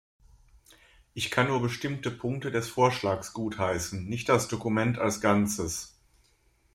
Ich kann nur bestimmte Punkte des Vorschlags gutheißen, nicht das Dokument als Ganzes.